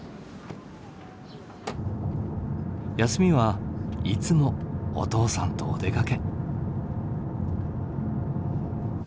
休みはいつもお父さんとお出かけ。